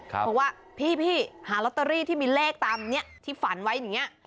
บอกว่าพี่หาลอตเตอรี่ที่มีเลขตามนี้ที่ฝันไว้อย่างนี้